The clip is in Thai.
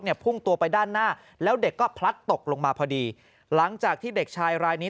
พุ่งตัวไปด้านหน้าแล้วเด็กก็พลัดตกลงมาพอดีหลังจากที่เด็กชายรายนี้